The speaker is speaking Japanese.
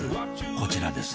こちらです